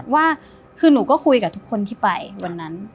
ว่าคือหนูก็คุยกับทุกคนที่ไปวันนั้น